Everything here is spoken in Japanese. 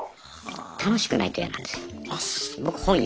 楽しくないと嫌なんですよ。